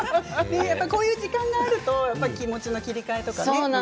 こういう時間があると気持ちの切り替えとかね。